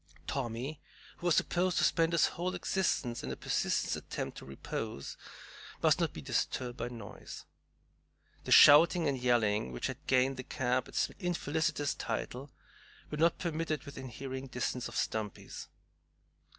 "Tommy," who was supposed to spend his whole existence in a persistent attempt to repose, must not be disturbed by noise. The shouting and yelling, which had gained the camp its infelicitous title, were not permitted within hearing distance of Stumpy's.